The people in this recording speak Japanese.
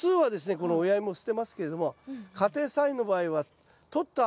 この親イモ捨てますけれども家庭菜園の場合はとったあとですね